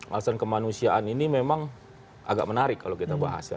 alasan kemanusiaan ini memang agak menarik kalau kita bahas ya